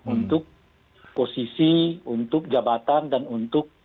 untuk posisi untuk jabatan dan untuk